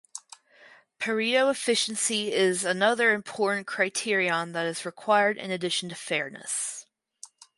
Pareto efficiency is another important criterion that is required in addition to fairness.